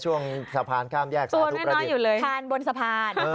ช่วงสะพานข้ามแยกซ่อมให้น้อยอยู่เลยตัวน้อยอยู่เลยคานบนสะพาน